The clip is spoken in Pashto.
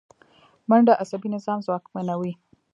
منډه عصبي نظام ځواکمنوي